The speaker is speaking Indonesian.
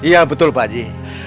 iya betul pak aji